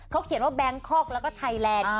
เขาเขียนว่าแบงคอกแล้วก็ไทยแลนด์